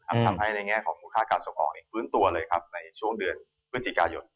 ทำให้ในแง่ของมูลค่าการส่งออกเองฟื้นตัวเลยครับในช่วงเดือนพฤศจิกายน